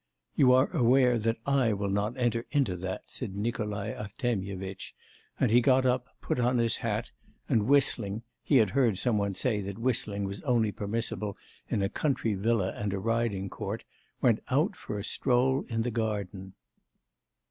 'You are aware that I will not enter into that,' said Nikolai Artemyevitch; and he got up, put on his hat, and whistling (he had heard some one say that whistling was only permissible in a country villa and a riding court) went out for a stroll in the garden.